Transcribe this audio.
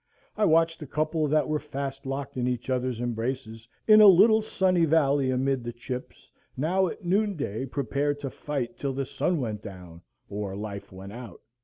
I watched a couple that were fast locked in each other's embraces, in a little sunny valley amid the chips, now at noon day prepared to fight till the sun went down, or life went out.